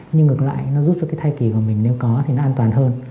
nhưng ngược lại nó giúp cho cái thai kỳ của mình nếu có thì nó an toàn hơn